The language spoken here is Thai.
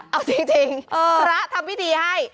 เอาจริงพระทำพิธีให้